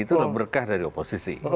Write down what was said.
itu berkah dari oposisi